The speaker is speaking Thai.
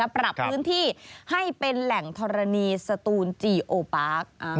ปรับพื้นที่ให้เป็นแหล่งธรณีสตูนจีโอปาร์ค